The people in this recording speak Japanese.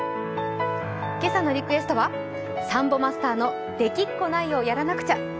今朝のリクエストはサンボマスターの「できっこないをやらなくちゃ」。